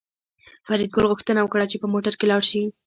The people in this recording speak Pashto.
فریدګل غوښتنه وکړه چې په موټر کې لاړ شي